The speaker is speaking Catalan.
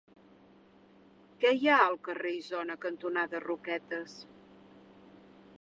Què hi ha al carrer Isona cantonada Roquetes?